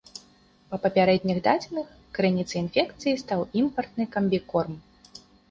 Па папярэдніх дадзеных, крыніцай інфекцыі стаў імпартны камбікорм.